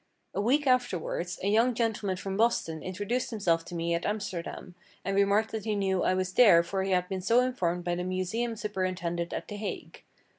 A week afterwards, a young gentleman from Boston introduced himself to me at Amsterdam and remarked that he knew I was there for he had been so informed by the museum superintendent at the Hague.